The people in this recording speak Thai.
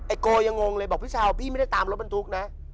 โกยังงงเลยบอกพี่ชาวพี่ไม่ได้ตามรถบรรทุกนะ